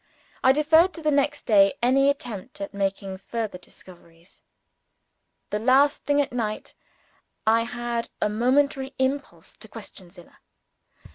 I deferred to the next day any attempt at making further discoveries. The last thing at night, I had a momentary impulse to question Zillah.